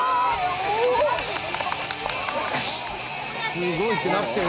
すごいってなってるよ